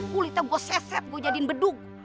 kulitnya gua seset gua jadiin bedung